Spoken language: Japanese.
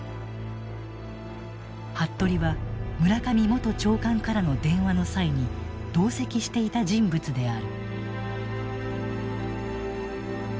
服部は村上元長官からの電話の際に同席していた人物である。